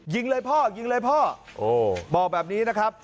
ยิงเลยพ่อยิงเลยพ่อโอ้บอกแบบนี้นะครับ